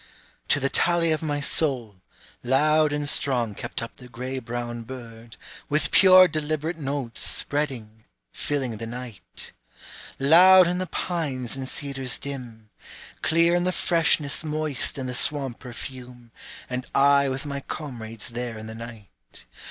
To the tally of my soul, Loud and strong kept up the gray brown bird, With pure deliberate notes spreading, filling the night, Loud in the pines and cedars dim. Clear in the freshness moist and the swamp perfume, And I with my comrades there in the night.